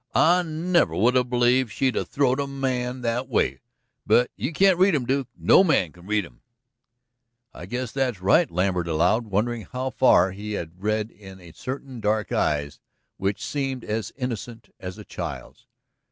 I never would 'a' believed she'd 'a' throwed a man that way, but you can't read 'em, Duke; no man can read 'em." "I guess that's right," Lambert allowed, wondering how far he had read in certain dark eyes which seemed as innocent as a child's.